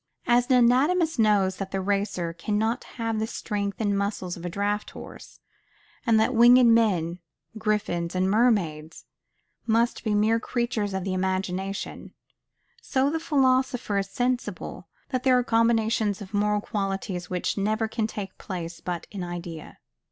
As an anatomist knows that the racer cannot have the strength and muscles of the draught horse; and that winged men, griffins, and mermaids must be mere creatures of the imagination: so the philosopher is sensible that there are combinations of moral qualities which never can take place but in idea.